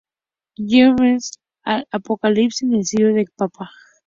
Chloe respondió: "¡Al Apocalipsis en el Sidecar de papá!".